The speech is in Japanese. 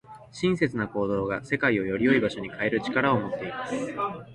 親切な行動が、世界をより良い場所に変える力を持っています。